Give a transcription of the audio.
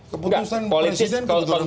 keputusan presiden kemudar